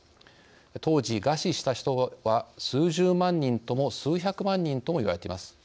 当時、餓死した人は数十万人とも数百万人ともいわれています。